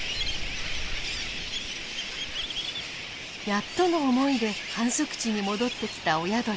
やっとの思いで繁殖地に戻ってきた親鳥。